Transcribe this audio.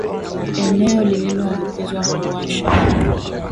Eneo lililoambukizwa huwasha